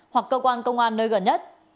hoặc cơ quan công an nơi gần nhất